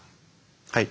はい。